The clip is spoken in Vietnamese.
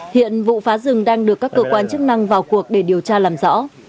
hiện vụ phá rừng đang được các cơ quan chức năng vào cuộc để điều tra làm rõ